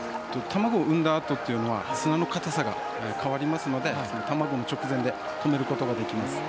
卵を産んだあとというのは砂の硬さが変わりますので卵の直前で止めることができます。